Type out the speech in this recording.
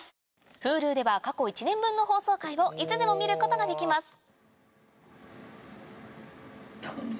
Ｈｕｌｕでは過去１年分の放送回をいつでも見ることができます頼むぞ。